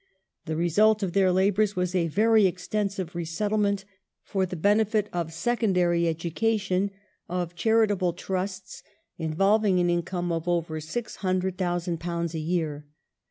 The result of their labours was '* a very extensive resettlement, for the benefit of secondary education, of charitable trusts," involving an income of over £600,000 a year.